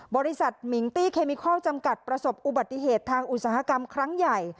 บริษัทมิงตี้เคมิคอลจำกัดประสบอุบัติเหตุทางอุตสาหกรรมครั้งใหญ่